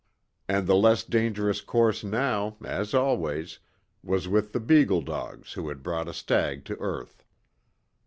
And the less dangerous course now, as always, was with the beagle dogs who had brought a stag to earth.